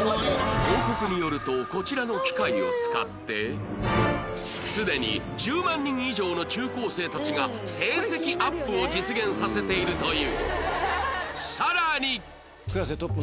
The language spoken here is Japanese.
広告によるとこちらの機械を使ってすでに１０万人以上の中・高生たちが成績アップを実現させているという